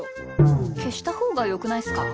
けしたほうがよくないっすか？